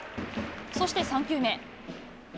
そして３球目。